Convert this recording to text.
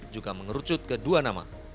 juga mengerucut kedua nama